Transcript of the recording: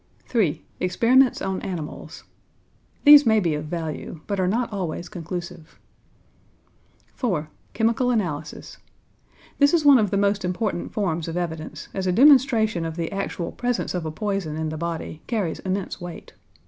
3. Experiments on Animals. These may be of value, but are not always conclusive. 4. Chemical Analysis. This is one of the most important forms of evidence, as a demonstration of the actual presence of a poison in the body carries immense weight.